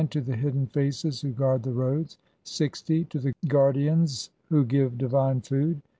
to the Hidden Faces who guard the roads, 60. to the Guardians who give divine food